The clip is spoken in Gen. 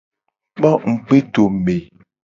Kpo ngugbedome.